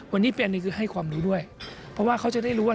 วันนี้เป็นอันนี้คือให้ความรู้ด้วยเพราะว่าเขาจะได้รู้ว่า